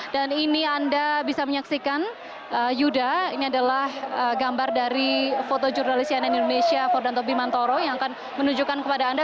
dan ini anda bisa menyaksikan yuda ini adalah gambar dari foto jurnalisian indonesia ferdanto bimantoro yang akan menunjukkan kepada anda